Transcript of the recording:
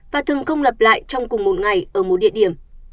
và thường không lặp lại trong cùng một ngày ở một địa điểm